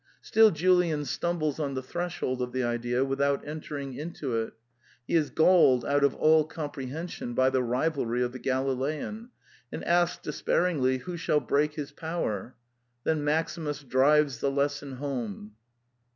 Still Julian stumbles on the threshold of the idea without entering into it. He is galled out of all comprehension by the rivalry of the Galilean, and asks despairingly who shall break his power. Then Maximus drives the lesson home.